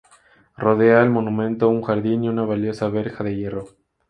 Rodea el monumento un jardín y una valiosa verja de hierro.